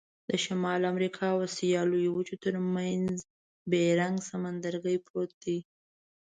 د شمال امریکا او آسیا لویو وچو ترمنځ بیرنګ سمندرګي پروت دی.